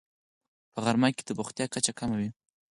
په غرمه کې د بوختیا کچه کمه وي